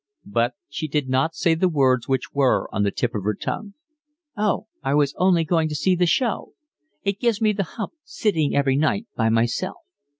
But she did not say the words which were on the tip of her tongue. "Oh, I was only going to see the show. It gives me the hump sitting every night by myself."